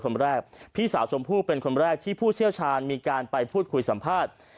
คนแรกพี่สาวชมพู่เป็นคนแรกที่ผู้เชี่ยวชาญมีการไปพูดคุยสัมภาษณ์